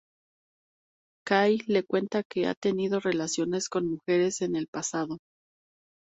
Cay le cuenta que ha tenido relaciones con mujeres en el pasado.